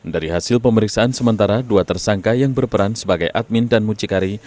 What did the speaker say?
dari hasil pemeriksaan sementara dua tersangka yang berperan sebagai admin dan mucikari